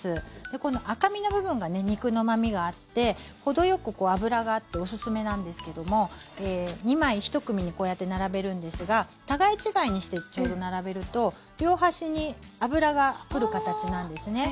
この赤身の部分がね肉のうまみがあって程よくここ脂があっておすすめなんですけども２枚１組にこうやって並べるんですが互い違いにしてちょうど並べると両端に脂がくる形なんですね。